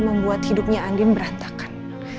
membuat hidupnya andin berantakan